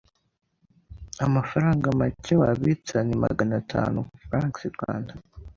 amafaranga make wabitsa ni maganatanu Frw